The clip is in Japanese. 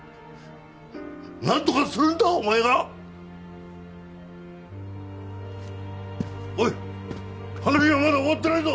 何とかするんだお前がおい話はまだ終わってないぞ